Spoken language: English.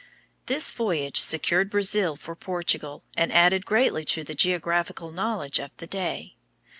This voyage secured Brazil for Portugal, and added greatly to the geographical knowledge of the day.